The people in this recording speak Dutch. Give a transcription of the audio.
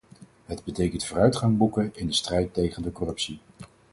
Het betekent vooruitgang boeken in de strijd tegen de corruptie.